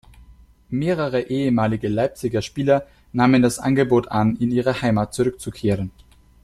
Mehrere ehemalige Leipziger Spieler nahmen das Angebot an, in ihre Heimat zurückzukehren.